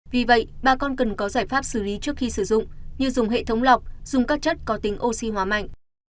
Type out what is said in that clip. vì vậy bà con cần có giải pháp xử lý trước khi sử dụng như dùng hệ thống lọc dùng các chất có tính oxy hóa mạnh